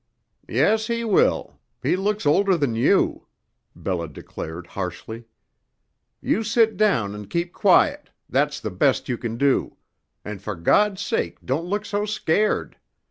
"Yes, he will. He looks older than you," Bella declared harshly. "You sit down and keep quiet; that's the best you can do; and for God's sake don't look so scared.